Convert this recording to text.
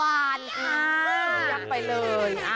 อ้าวยับไปเลย